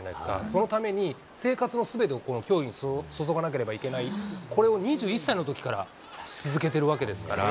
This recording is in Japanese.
そのために生活のすべてをこの競技に注がなければいけない、これを２１歳のときから続けているわけですから。